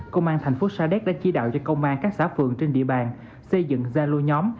công an thành phố sa đéc đã chỉ đạo cho công an các xã phường trên địa bàn xây dựng gia lô nhóm